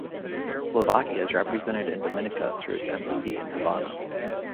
Slovakia is represented in Dominica through its embassy in Havana.